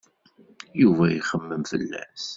Yuba ixemmem fell-as.